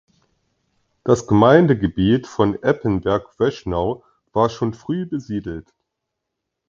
Das Gemeindegebiet von Eppenberg-Wöschnau war schon früh besiedelt.